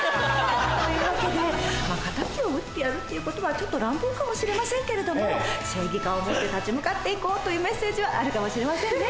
というわけで「敵を討ってやる」っていう言葉はちょっと乱暴かもしれませんけれども正義感を持って立ち向かっていこうというメッセージはあるかもしれませんね。